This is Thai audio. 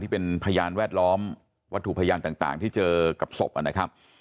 เป็นพยานแวดล้อมวัตถุพยานต่างที่เจอกับศพนะครับ